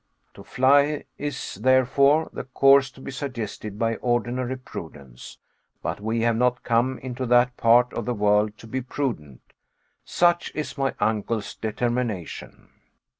To fly is, therefore, the course to be suggested by ordinary prudence. But we have not come into that part of the world to be prudent. Such is my uncle's determination.